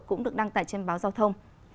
cũng được đăng tải trên báo giao thông